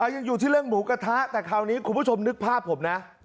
ยังอยู่ที่เรื่องหมูกระทะแต่คราวนี้คุณผู้ชมนึกภาพผมนะ